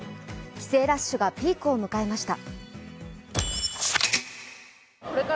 帰省ラッシュがピークを迎えました。